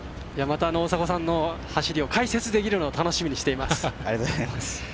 また大迫さんの走りを解説できるのを楽しみにしています。